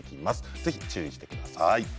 ぜひ注意してください。